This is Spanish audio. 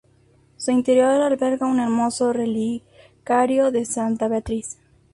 Su interior alberga un hermoso relicario de Santa Beatriz.